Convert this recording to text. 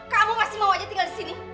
kamu masih mau aja tinggal di sini